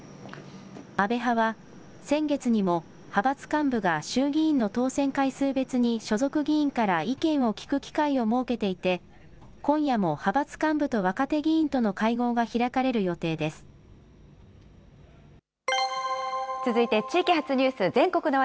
安倍派は、先月にも派閥幹部が衆議院の当選回数別に所属議員から意見を聞く機会を設けていて、今夜も派閥幹部と若手議員との会合が開かれる続いて地域発ニュース、全国